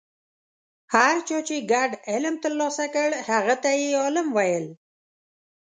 هر چا چې ګډ علم ترلاسه کړ هغه ته یې عالم ویل.